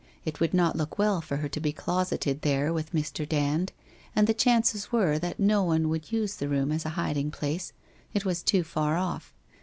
It would not look well for her to be closeted there with Mr. Dand, and the chances were that no one would use the room as a hiding place; it was too far off.